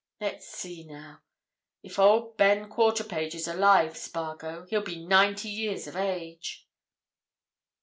Let's see, now. If Old Ben Quarterpage is alive, Spargo, he'll be ninety years of age!"